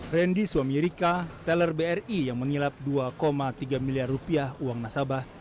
randy suami rika teller bri yang mengilap dua tiga miliar rupiah uang nasabah